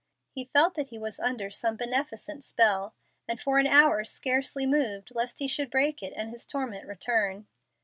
He felt that he was under some beneficent spell, and for an hour scarcely moved lest he should break it and his torment return.